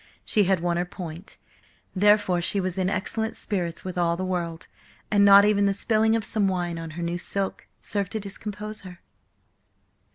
She had won her point; therefore she was in excellent spirits with all the world, and not even the spilling of some wine on her new silk served to discompose her.